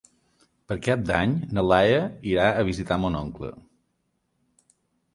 Per Cap d'Any na Laia irà a visitar mon oncle.